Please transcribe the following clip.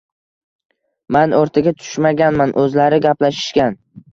Man o‘rtaga tushmaganman, o‘zlari gaplashishgan.